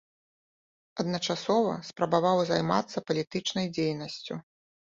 Адначасова спрабаваў займацца палітычнай дзейнасцю.